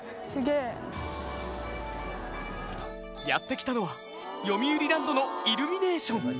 やって来たのはよみうりランドのイルミネーション。